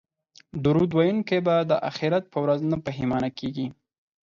درود ویونکی به د اخرت په ورځ نه پښیمانه کیږي